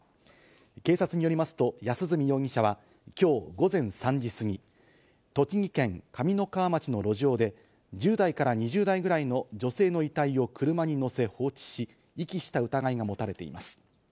警察によりますと、安栖容疑者はきょう午前３時過ぎ、栃木県上三川町の路上で１０代から２０代ぐらいの女性の遺体を車に乗せ放置し遺棄した疑いが持たれています。